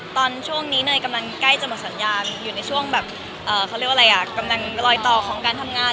ตอนช่วงนี้ในช่วงรอยต่อของการทำงาน